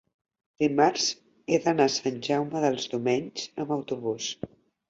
dimarts he d'anar a Sant Jaume dels Domenys amb autobús.